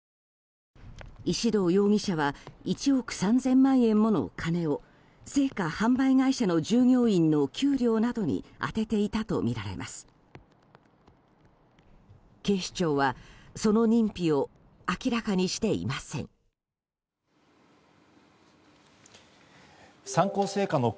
石動容疑者は１億３０００万円もの金を生花